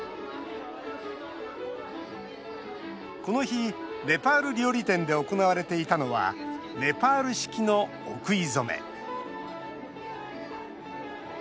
この日、ネパール料理店で行われていたのはネパール式のお食い初め。